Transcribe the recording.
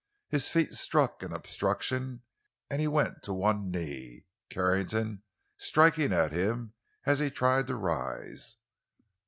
His feet struck an obstruction and he went to one knee, Carrington striking at him as he tried to rise.